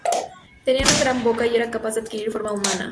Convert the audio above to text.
Tenía una gran boca y era capaz de adquirir forma humana.